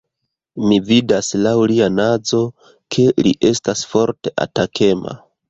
Mi vidas laŭ lia nazo, ke li estas forte atakema.